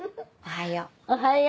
おはよう。